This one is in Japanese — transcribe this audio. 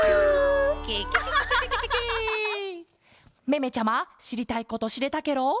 めめちゃましりたいことしれたケロ？